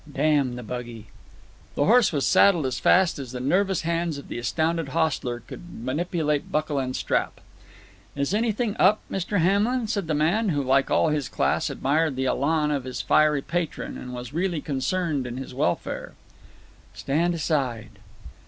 "Damn the buggy!" The horse was saddled as fast as the nervous hands of the astounded hostler could manipulate buckle and strap. "Is anything up, Mr. Hamlin?" said the man, who, like all his class, admired the elan of his fiery patron, and was really concerned in his welfare. "Stand aside!"